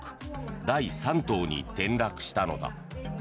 第３党に転落したのだ。